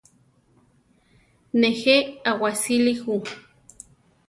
Nejé awasíli ju.